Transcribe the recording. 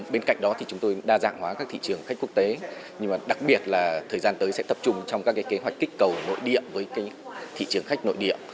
bên cạnh đó chúng tôi đã đa dạng hóa các thị trường khách quốc tế đặc biệt là thời gian tới sẽ tập trung trong các kế hoạch kích cầu nội địa với thị trường khách nội địa